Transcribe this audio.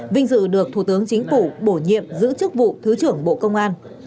vinh dự được thủ tướng chính phủ bổ nhiệm giữ chức vụ thứ trưởng bộ công an